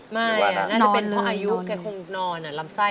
ไม่น่าจะเป็นเพราะอายุแกคงนอนลำไส้